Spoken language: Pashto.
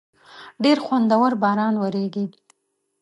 ډېر خوندور باران وریږی